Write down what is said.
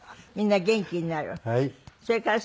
みんな元気になる。